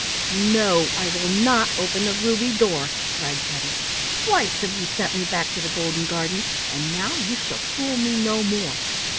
"No, I will not open the ruby door," cried Teddy. "Twice have you sent me back to the golden garden, and now you shall fool me no more."